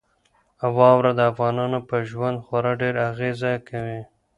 واوره د افغانانو په ژوند خورا ډېره اغېزه کوي.